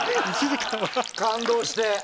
感動して。